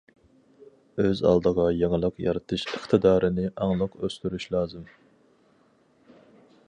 ئۆز ئالدىغا يېڭىلىق يارىتىش ئىقتىدارىنى ئاڭلىق ئۆستۈرۈش لازىم.